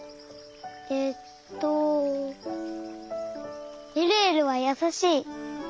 えっとえるえるはやさしい。